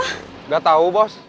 enggak tahu bos